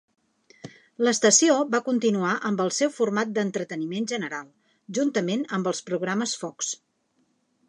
L'estació va continuar amb el seu format d'entreteniment general, juntament amb els programes Fox.